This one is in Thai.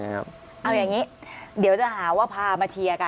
เอาอย่างนี้เดี๋ยวจะหาว่าพามาเชียร์กัน